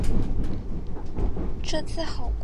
这次好贵